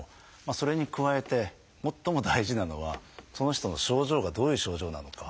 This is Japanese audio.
それに加えて最も大事なのはその人の症状がどういう症状なのか。